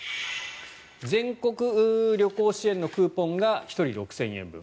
全国旅行支援のクーポンが１人６０００円分。